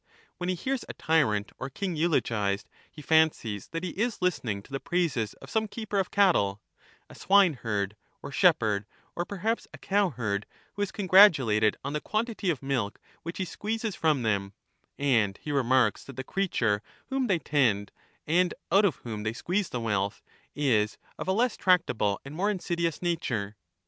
When he hears a t)rrant or His irony : king eulogized, he fancies that he is listening to the praises N* '^^^^^ of some keeper of cattle — a swineherd, or shepherd, or tyrants, perhaps a cowherd, who is congratulated on the quantity of milk which he squeezes from them ; and he remarks that the creature whom they tend, and out of whom they squeeze the wealth, is of a less tractable and more insidious nature.